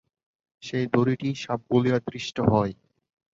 সেই দড়িটিই সাপ বলিয়া দৃষ্ট হয়।